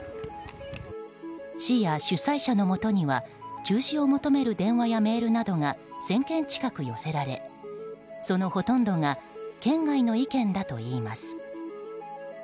市や主催者のもとには中止を求める電話やメールなどが１０００件近く寄せられそのほとんどが県外の意見だといいます。